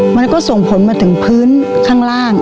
มันก็ส่งผลมาถึงพื้นข้างล่าง